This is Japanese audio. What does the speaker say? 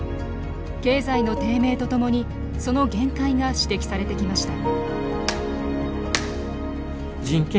経済の低迷とともにその限界が指摘されてきました。